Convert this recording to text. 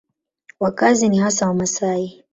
Wakazi ni hasa Wamasai.